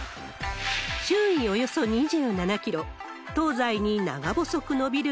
周囲およそ２７キロ、東西に長細く延びる